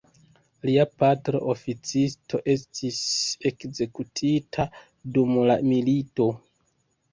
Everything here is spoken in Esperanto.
Lia patro oficisto estis ekzekutita dum la milito.